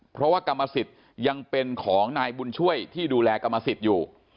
เพราะว่ากรรมสิทธิ์ยังเป็นของนายบุญช่วยที่ดูแลกรรมสิทธิ์อยู่